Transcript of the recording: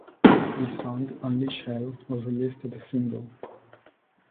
The song "Unleash Hell" was released as a single.